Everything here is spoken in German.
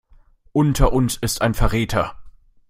Unter uns ist ein Verräter.